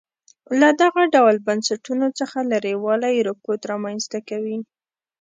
له دغه ډول بنسټونو څخه لرېوالی رکود رامنځته کوي.